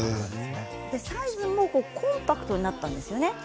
サイズもコンパクトになったんですよね。